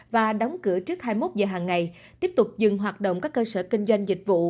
và đóng cửa trước hai mươi một giờ hàng ngày tiếp tục dừng hoạt động các cơ sở kinh doanh dịch vụ